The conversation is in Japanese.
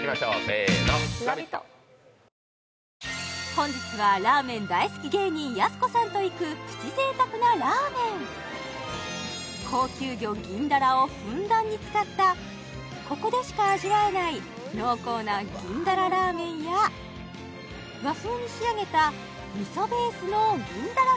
本日はラーメン大好き芸人やす子さんと行くプチ贅沢なラーメン高級魚銀だらをふんだんに使ったここでしか味わえない濃厚な銀だらラーメンや和風に仕上げた味噌ベースの銀だら